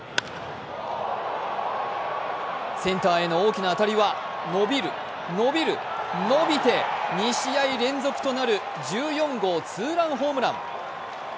センターへの大きな当たりは伸びる、伸びる、伸びて２試合連続となる１４号ツーランホームラン。